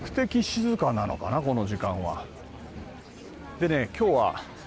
でね。